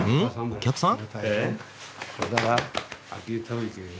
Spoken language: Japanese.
お客さん？